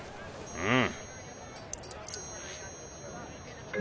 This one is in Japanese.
うん。